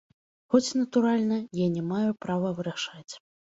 Хоць, натуральна, я не маю права вырашаць.